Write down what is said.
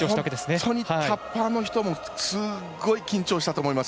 本当にタッパーの人もすごい緊張したと思います。